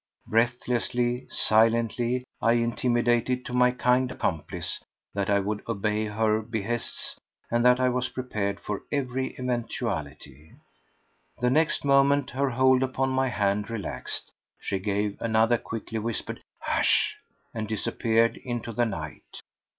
Breathlessly, silently, I intimated to my kind accomplice that I would obey her behests and that I was prepared for every eventuality. The next moment her hold upon my hand relaxed, she gave another quickly whispered "Hush!" and disappeared into the night.